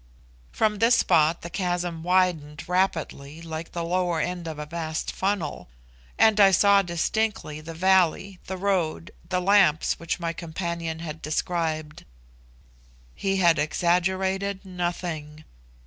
From this spot the chasm widened rapidly like the lower end of a vast funnel, and I saw distinctly the valley, the road, the lamps which my companion had described. He had exaggerated nothing.